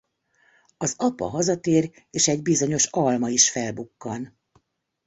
Az apa hazatér és egy bizonyos alma is felbukkan...